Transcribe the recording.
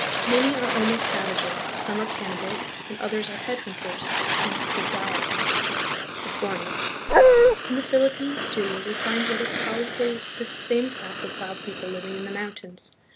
Many are almost savages, some are cannibals, and others are headhunters like some of the Dyaks of Borneo. In the Philippines, too, we find what is probably this same class of wild people living in the mountains.